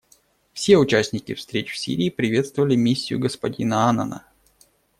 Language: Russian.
Все участники встреч в Сирии приветствовали миссию господина Аннана.